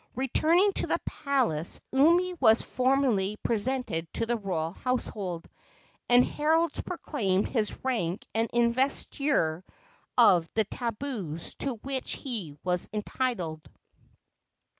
Returning to the palace, Umi was formally presented to the royal household, and heralds proclaimed his rank and investiture of the tabus to which he was entitled.